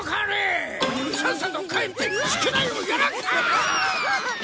さっさと帰って宿題をやらんかあっ！